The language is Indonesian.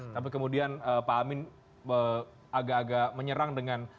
tapi kemudian pak amin agak agak menyerang dengan